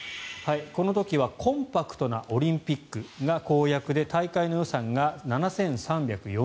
この時はコンパクトなオリンピックが公約で大会の予算が７３４０億円。